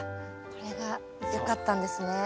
これがよかったんですね。